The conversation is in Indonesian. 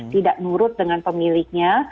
tidak nurut dengan pemiliknya